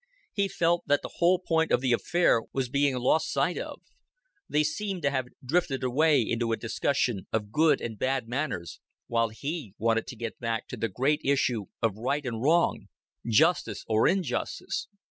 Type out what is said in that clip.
He felt that the whole point of the affair was being lost sight of; they seemed to have drifted away into a discussion of good and bad manners, while he wanted to get back to the great issue of right and wrong, justice or injustice.